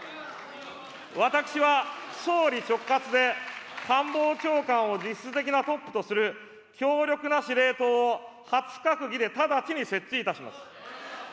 私は総理直轄で官房長官を実質的なトップとする強力な司令塔を初閣議で直ちに設置いたします。